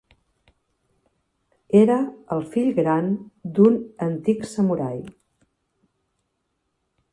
Era el fill gran d'un antic samurai.